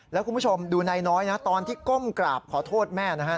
แล้วคุณผู้ชมดูนายน้อยนะตอนที่ก้มกราบขอโทษแม่นะฮะ